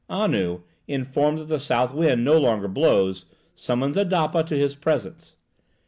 Anu, informed that the south wind no longer blows, summons Adapa to his presence.